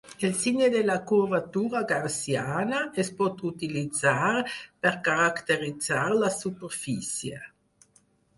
El signe de la curvatura gaussiana es pot utilitzar per caracteritzar la superfície.